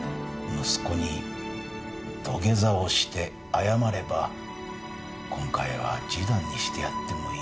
息子に土下座をして謝れば今回は示談にしてやってもいい。